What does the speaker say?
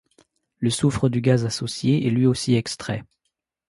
Le soufre du gaz associé est lui aussi extrait.